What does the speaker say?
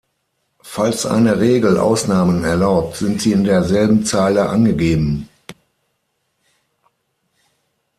Falls eine Regel Ausnahmen erlaubt, sind sie in derselben Zeile angegeben:"